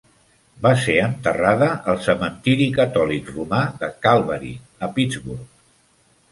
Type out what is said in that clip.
Va ser enterrada al cementiri catòlic romà de Calvary, a Pittsburgh.